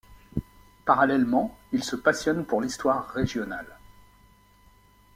Parallèlement, il se passionne pour l’histoire régionale.